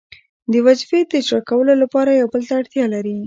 د وظیفې د اجرا کولو لپاره یو بل ته اړتیا لري.